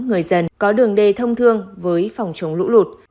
người dân có đường đê thông thương với phòng chống lũ lụt